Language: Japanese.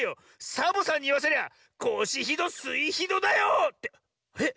サボさんにいわせりゃ「コシひど」「スイひど」だよっ！ってえっ？